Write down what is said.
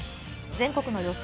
全国の予想